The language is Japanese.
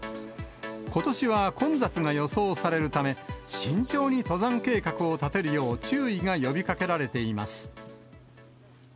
ことしは混雑が予想されるため、慎重に登山計画を立てるよう注意が呼びかけられています。